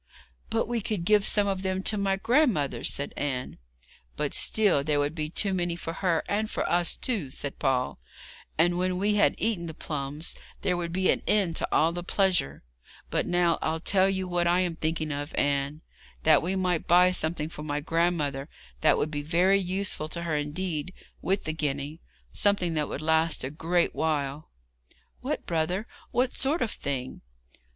'But we could give some of them to my grandmother,' said Anne. 'But still there would be too many for her, and for us, too,' said Paul, 'and when we had eaten the plums there would be an end to all the pleasure. But now I'll tell you what I am thinking of, Anne, that we might buy something for my grandmother that would be very useful to her indeed with the guinea something that would last a great while.' [Illustration: "We might buy something very useful with the guinea."] 'What, brother? What sort of thing?'